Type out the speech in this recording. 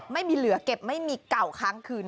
ไม่มีเหลือเก็บไม่มีเก่าค้างคืน